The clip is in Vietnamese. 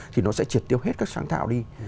thì nó sẽ triệt tiêu hết các sáng tạo đi